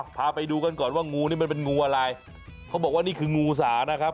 พาไปดูกันก่อนว่างูนี่มันเป็นงูอะไรเขาบอกว่านี่คืองูสานะครับ